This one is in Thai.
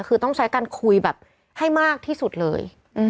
คือต้องใช้การคุยแบบให้มากที่สุดเลย